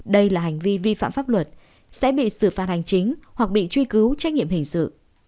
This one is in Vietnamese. đây là hành vi vi phạm pháp luật sẽ bị xử phạt hành chính hoặc bị truy cứu trách nhiệm hình sự